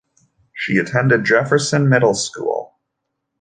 She attended Jefferson Middle School.